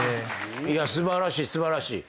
素晴らしい素晴らしい。